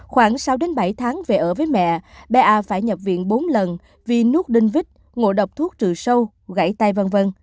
khoảng sáu bảy tháng về ở với mẹ bé a phải nhập viện bốn lần vì nuốt đơn vích ngộ độc thuốc trừ sâu gãy tay v v